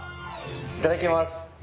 いただきます。